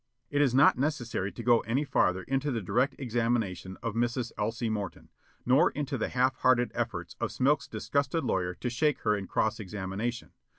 It is not necessary to go any farther into the direct examination of Mrs. Elsie Morton, nor into the half hearted efforts of Smilk's disgusted lawyer to shake her in cross examination.